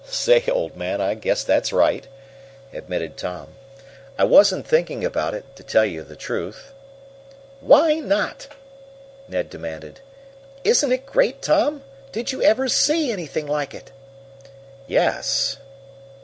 "Say, old man, I guess that's right!" admitted Tom. "I wasn't thinking about it, to tell you the truth." "Why not?" Ned demanded. "Isn't it great, Tom? Did you ever see anything like it?" "Yes."